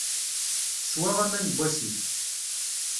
Teswa aman n wasif.